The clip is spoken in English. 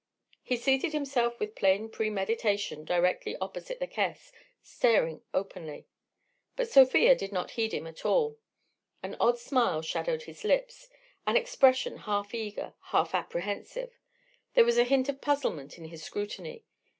He seated himself with plain premeditation directly opposite the caisse, staring openly. But Sofia did not heed him at all. An odd smile shadowed his lips, an expression half eager, half apprehensive; there was a hint of puzzlement in his scrutiny.